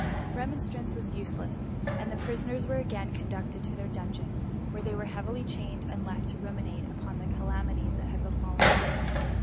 '' Remonstrance was useless, and the prisoners were again t^onducted to their dungeon, where they were heavily chained, and left to ruminate upon the calamities that had befallen them.